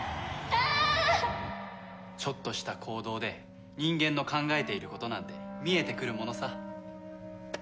ちょっとした行動で人間の考えていることなんて見えてくるものさ。